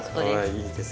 いいですね。